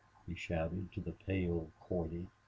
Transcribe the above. he shouted to the pale Cordy.